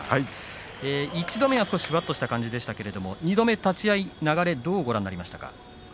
１度目は少しふわっとした感じでしたが２度目の立ち合い、流れどうご覧になりましたか。